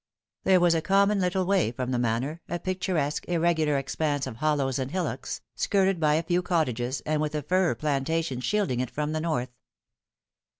There was a common a little way from the Manor, a picturesque, irregular expanse of hollows and hillocks, skirted by a few cottages, and with a fir plantation shielding it from the north.